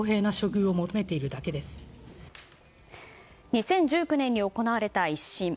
２０１９年に行われた１審。